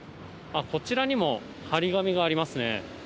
こちらにも、貼り紙がありますね。